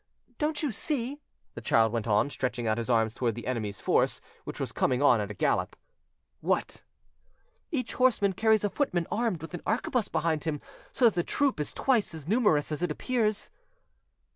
"Don't you see?" the child went on, stretching out his arms towards the enemy's force, which was coming on at a gallop. "What?" "Each horseman carries a footman armed with an arquebuse behind him, so that the troop is twice as numerous as it appears."